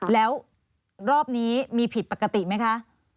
แล้วรอบนี้มีผิดปกติไหมคะ